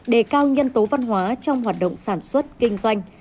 đề cao nhân tố văn hóa trong hoạt động sản xuất kinh doanh